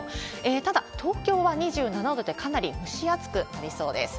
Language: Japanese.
ただ、東京は２７度でかなり蒸し暑くなりそうです。